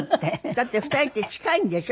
だって２人って近いんでしょ？